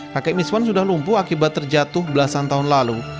kakek miswan sudah lumpuh akibat terjatuh belasan tahun lalu